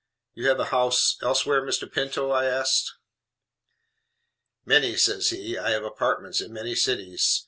"You have a house elsewhere, Mr. Pinto?" I said. "Many," says he. "I have apartments in many cities.